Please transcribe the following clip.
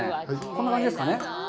こんな感じですか？